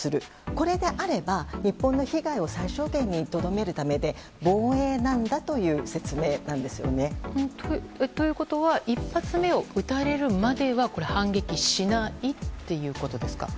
これであれば日本の被害を最小限にとどめるためで防衛なんだという説明なんですよね。ということは１発目を撃たれるまでは反撃しないということですか？